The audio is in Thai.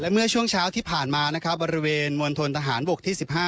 และเมื่อช่วงเช้าที่ผ่านมาบริเวณมวลธนทหารบก๑๕